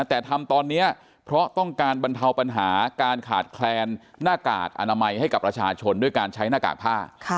แต่ทำตอนนี้เพราะต้องการบรรเทาปัญหาการขาดแคลนหน้ากากอนามัยให้กับประชาชนด้วยการใช้หน้ากากผ้า